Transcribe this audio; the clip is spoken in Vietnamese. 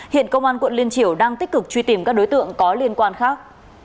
hiện công an quận liên triều đang tích cực truy tìm các đối tượng có liên quan khác